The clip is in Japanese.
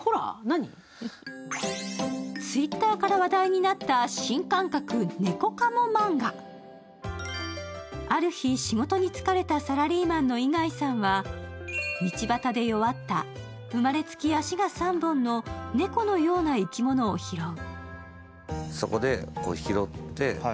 Ｔｗｉｔｔｅｒから話題になった新感覚猫かもマンガある日、仕事に疲れたサラリーマンのイガイさんは道端で弱った、生まれつき足が３本の猫のような生き物を拾う。